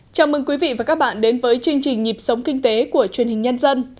chào mừng quý vị và các bạn đến với chương trình nhịp sống kinh tế của truyền hình nhân dân